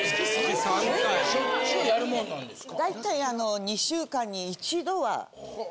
しょっちゅうやるもんなんですか？